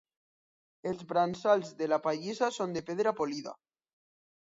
Els brancals de la pallissa són de pedra polida.